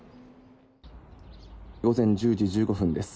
午前１０時１５分です。